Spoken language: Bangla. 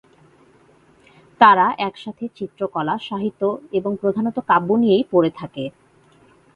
তারা একসাথে চিত্রকলা, সাহিত্য এবং প্রধানত কাব্য নিয়েই পড়ে থাকে।